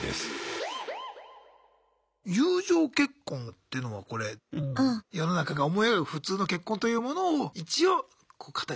友情結婚っていうのはこれ世の中が思い描く普通の結婚というものを一応形として見せるためにする結婚。